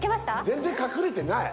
全然隠れてない